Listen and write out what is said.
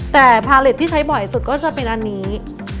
แต่พาเล็ตที่ใช้บ่อยสุดก็จะเป็นอันนี้